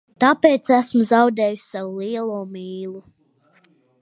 Tāpēc esmu zaudējis savu lielo mīlu.